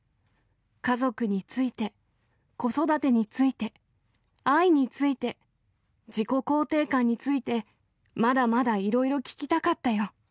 家族について、子育てについて、愛について、自己肯定感について、まだまだいろいろ聞きたかったよ。